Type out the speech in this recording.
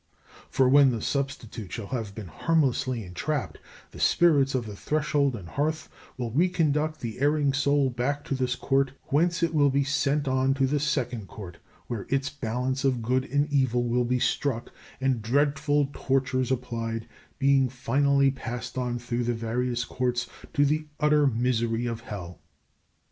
For when the substitute shall have been harmlessly entrapped, the Spirits of the Threshold and Hearth will reconduct the erring soul back to this Court, whence it will be sent on to the Second Court, where its balance of good and evil will be struck, and dreadful tortures applied, being finally passed on through the various Courts to the utter misery of hell.